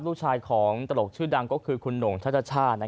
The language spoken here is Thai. ลูกชายของตลกชื่อดังก็คือคุณหน่งช่า